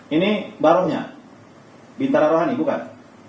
ini barohnya bintara rohani bukan